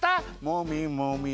もみもみ。